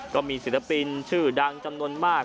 ก็มีศิลปินชื่อดังจำนวนมาก